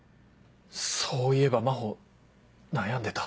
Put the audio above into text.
そういえば真帆悩んでた。